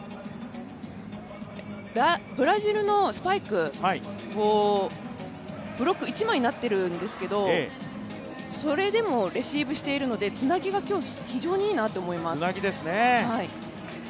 ブラジルのスパイク、ブロック一枚になっているんですけど、それでもレシーブしているのでつなぎが今日、非常にいいなと思います。